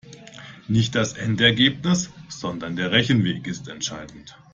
Nicht das Endergebnis, sondern der Rechenweg ist entscheidend.